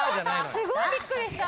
すごいびっくりした。